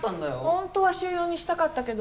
ホントは週４にしたかったけど。